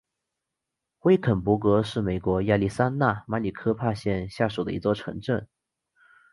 威肯勃格是美国亚利桑那州马里科帕县下属的一座城镇。